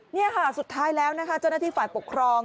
นี่ค่ะสุดท้ายแล้วนะคะเจ้าหน้าที่ฝ่ายปกครอง